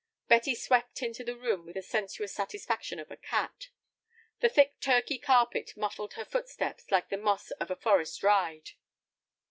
Betty swept into the room with the sensuous satisfaction of a cat. The thick Turkey carpet muffled her footsteps like the moss of a forest "ride."